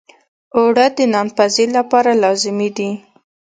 اوړه د نان پزی لپاره لازمي دي